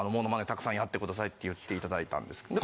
たくさんやってくださいって言って頂いたんですけど。